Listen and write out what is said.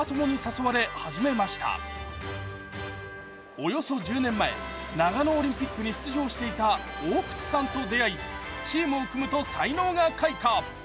およそ１０年前、長野オリンピックに出場していた大久津さんと出会いチームを組むと才能が開花。